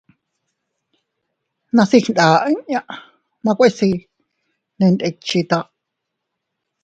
Nase iygnda inña, makue sii nee ndikchita.